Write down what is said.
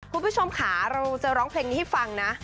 คุณผู้ชมค่ะเราจะร้องเพลงนี้ให้ฟังนะ